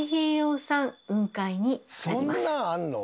そんなんあるの？